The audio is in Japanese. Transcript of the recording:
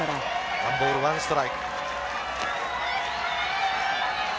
１ボール１ストライク。